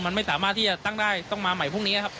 มันไม่สามารถที่จะตั้งได้ต้องมาใหม่พรุ่งนี้ครับ